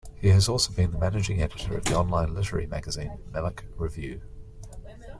He has also been the Managing Editor of the online literary magazine "Melic Review".